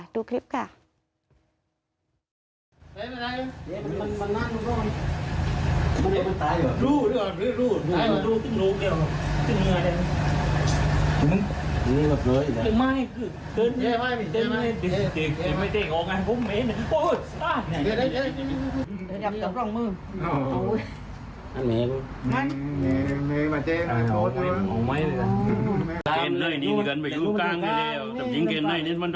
ดูคลิปค่ะ